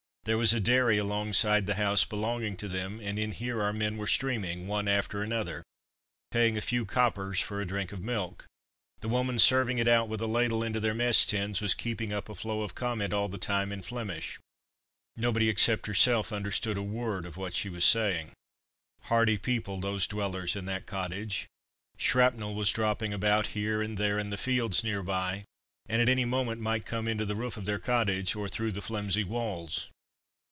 There was a dairy alongside the house belonging to them, and in here our men were streaming, one after another, paying a few coppers for a drink of milk. The woman serving it out with a ladle into their mess tins was keeping up a flow of comment all the time in Flemish. Nobody except herself understood a word of what she was saying. Hardy people, those dwellers in that cottage. Shrapnel was dropping about here and there in the fields near by, and at any moment might come into the roof of their cottage, or through the flimsy walls.